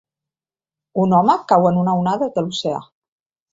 Un home cau en una onada de l'oceà